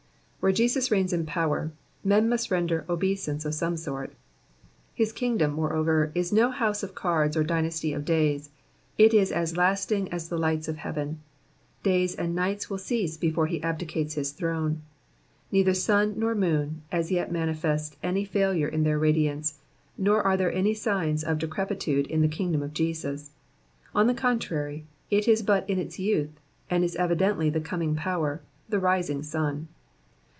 Where Jesus reigns in power men must render obeisance of some sort. His kingdom, moreover, is no house of cards, or dynasty of days ; it is as lasting as the lights of heaven ; days and nights will cease before he abdicates his throne. Neither sun nor moon as yet manifest any failure in their radiance, nor are there any signs of decrepitude in the kingdom of Jesus ; on the contrary, it is but in its youth, and is evidently the coming power, the rising sun.